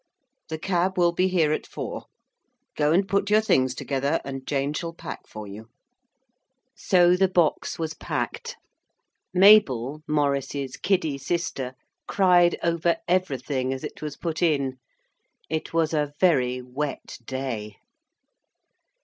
The cab will be here at four. Go and put your things together, and Jane shall pack for you.' So the box was packed. Mabel, Maurice's kiddy sister, cried over everything as it was put in. It was a very wet day.